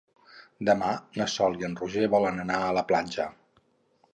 Demà na Sol i en Roger volen anar a la platja.